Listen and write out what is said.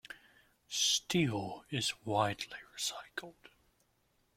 Steel is widely recycled.